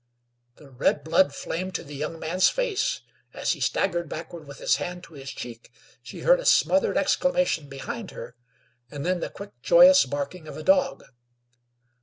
The red blood flamed to the young man's face; as he staggered backward with his hand to his cheek, she heard a smothered exclamation behind her, and then the quick, joyous barking of a dog.